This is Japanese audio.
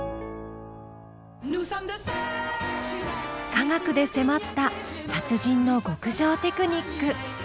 科学でせまった達人の極上テクニック。